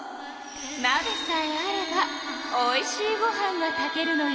なべさえあればおいしいご飯が炊けるのよ。